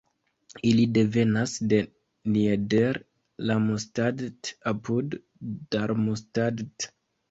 Ili devenas de Nieder-Ramstadt apud Darmstadt.